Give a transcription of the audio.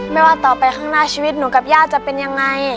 ว่าต่อไปข้างหน้าชีวิตหนูกับย่าจะเป็นยังไง